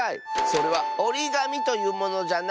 それはおりがみというものじゃな。